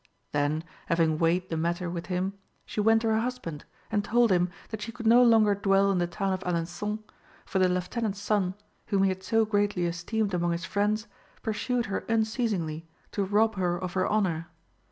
Then, having weighed the matter with him, she went to her husband and told him that she could no longer dwell in the town of Alençon, for the Lieutenant's son, whom he had so greatly esteemed among his friends, pursued her unceasingly to rob her of her honour.